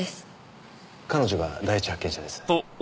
彼女が第一発見者です。